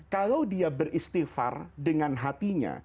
kalau dia beristighfar dengan hatinya